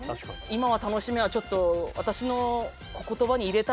「今は楽しめ」はちょっと私の言葉に入れたいなっていう。